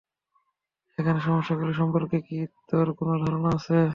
এখানের সমস্যাগুলি সম্পর্কে কি তোর কোনো ধারণা আছে?